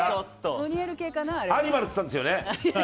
アニマルって言ったんですよね。